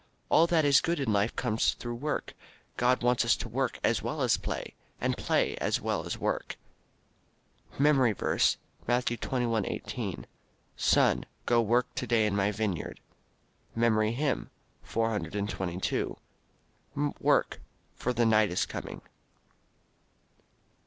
All that is good in life comes through work. God wants us to work as well as play, and play as well as work. MEMORY VERSE, Matthew 21: 18 "Son, go work to day in my vineyard." MEMORY HYMN _"Work, for the night is coming."